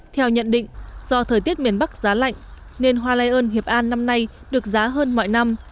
theo nhận định do thời tiết miền bắc giá lạnh nên hoa lây ơn hiệp an năm nay được giá hơn mọi năm